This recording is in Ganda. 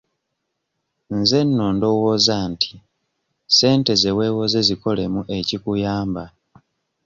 Nze nno ndowooza nti ssente ze weewoze zikolemu ekikuyamba.